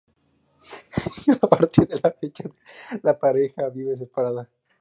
A partir de la fecha, la pareja vive separada.